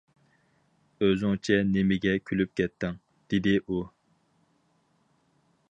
-ئۆزۈڭچە نېمىگە كۈلۈپ كەتتىڭ؟ -دېدى ئۇ.